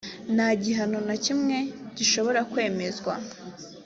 nta gihano na kimwe gishobora kwemezwa